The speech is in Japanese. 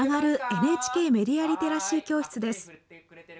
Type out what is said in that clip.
ＮＨＫメディア・リテラシー教室です。